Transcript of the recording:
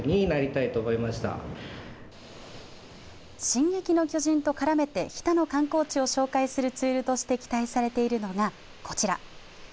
進撃の巨人と絡めて日田の観光地を紹介するツールとして期待されているのがこちら。